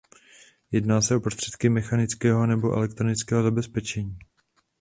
Jedná se o prostředky mechanického nebo elektronického zabezpečení.